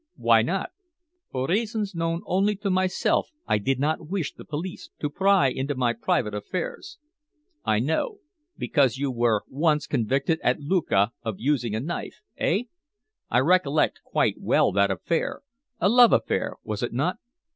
"Why not?" "For reasons known only to myself I did not wish the police to pry into my private affairs." "I know. Because you were once convicted at Lucca of using a knife eh? I recollect quite well that affair a love affair, was it not?"